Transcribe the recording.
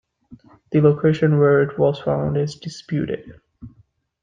The location where it was found is disputed.